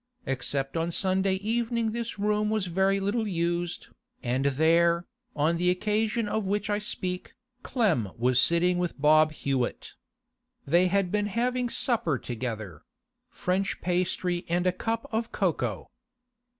Except on Sunday evening this room was very little used, and there, on the occasion of which I speak, Clem was sitting with Bob Hewett. They had been having supper together—French pastry and a cup of cocoa.